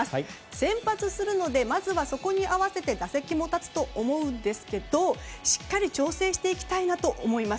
先発するのでまずはそこに合わせて打席も立つと思うんですけどしっかり調整していきたいなと思います。